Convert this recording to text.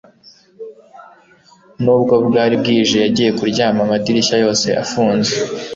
nubwo bwari bwije, yagiye kuryama amadirishya yose afunze